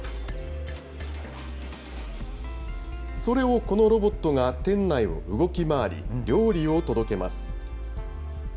それをこのロボットが店内を動き回り、料理を届けます。